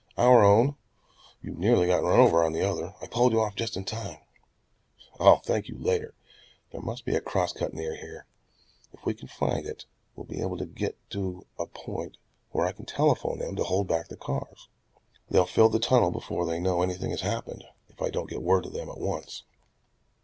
"Our own. You nearly got run over on the other. I pulled you off just in time." "I'll thank you later. There must be a cross cut near here. If we can find it we'll be able to get to a point where I can telephone them to hold back the cars. They'll fill the tunnel before they know anything has happened, if I don't get word to them at once."